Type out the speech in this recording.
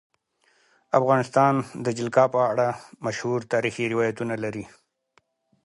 افغانستان د جلګه په اړه مشهور تاریخی روایتونه لري.